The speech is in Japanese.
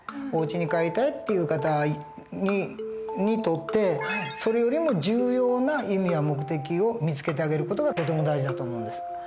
おうちに帰りたいっていう方にとってそれよりも重要な意味や目的を見つけてあげる事がとても大事だと思うんです。